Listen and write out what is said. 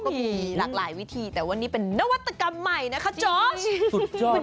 ก็มีหลากหลายวิธีแต่ว่านี่เป็นนวัตกรรมใหม่นะคะโจ๊ก